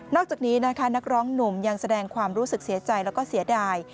จากนี้นะคะนักร้องหนุ่มยังแสดงความรู้สึกเสียใจแล้วก็เสียดาย